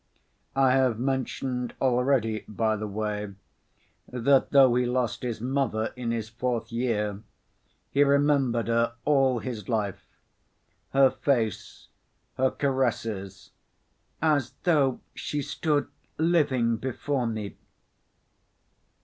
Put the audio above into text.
I have mentioned already, by the way, that though he lost his mother in his fourth year he remembered her all his life—her face, her caresses, "as though she stood living before me."